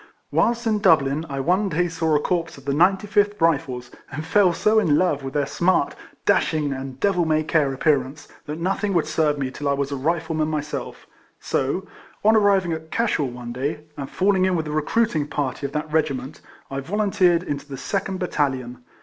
Whilst in Dublin, I one day saw a corps of the 95 th Rifles, and fell so in love with their smart, dashing, and devil may care appearance, that nothing would serve me till I was a Rifleman myself; so, on arriving at Cashel one day, and falling in with a recruiting party of that regi ment, I volunteered into the 2nd battalion.